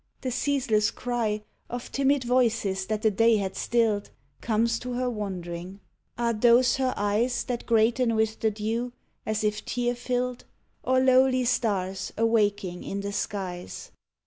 The ceaseless cry Of timid voices that the day had stilled Comes to her wandering. Are those her eyes That greaten with the dew, as if tear filled, Or lowly stars awaking in the skies?